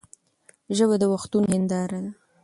ژبه د وختونو هنداره ده.